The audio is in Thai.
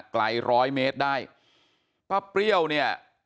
ร้อยเมตรได้ป้าเปรี้ยวเนี่ย